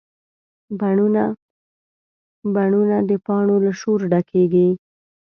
بڼونه د پاڼو له شور ډکېږي